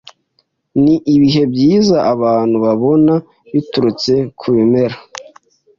Ni ibihe byiza abantu babona biturutse ku bimera